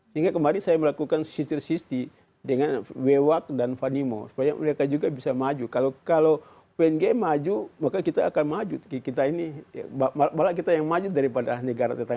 sehingga kemarin saya melakukan sistem dengan wewat dan vanimo supaya mereka juga bisa maju kalau ung maju maka kita akan maju kita ini malah kita yang maju daripada negara tetangga